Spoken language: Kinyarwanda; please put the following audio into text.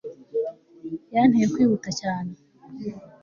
yanteye kwihuta cyane